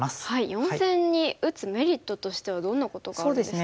４線に打つメリットとしてはどんなことがあるんですか？